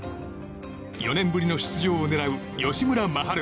４年ぶりの出場を狙う吉村真晴。